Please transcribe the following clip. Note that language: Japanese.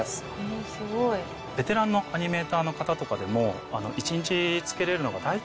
ベテランのアニメーターの方とかでも。